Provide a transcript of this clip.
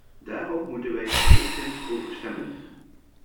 Daarom moeten wij er geenszins over stemmen.